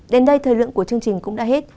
đến đây thời lượng của chương trình cũng đã hết